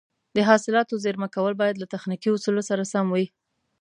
د حاصلاتو زېرمه کول باید له تخنیکي اصولو سره سم وي.